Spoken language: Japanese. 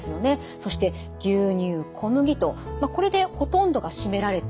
そして牛乳小麦とこれでほとんどが占められています。